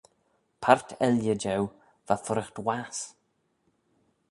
Part elley jeu va furraght wass.